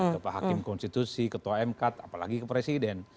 ke pak hakim konstitusi ketua mkd apalagi ke presiden